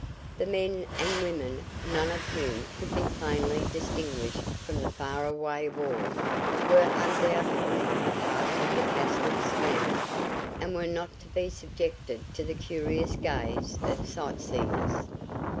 The men and women, none of whom could be plainly distinguished from the far away wall, were undoubtedly a part of the castle's family, and were not to be subjected to the curious gaze of sightseers.